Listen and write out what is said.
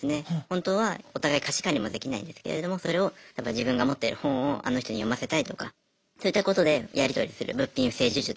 本当はお互い貸し借りもできないんですけれどもそれを自分が持ってる本をあの人に読ませたいとかそういったことでやり取りする物品不正授受とかもあります。